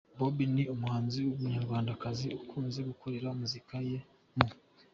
Babo ni umuhanzi w'umunyarwanda ukunze gukorera muzika ye mu